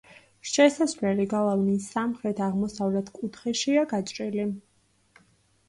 შესასვლელი გალავნის სამხრეთ-აღმოსავლეთ კუთხეშია გაჭრილი.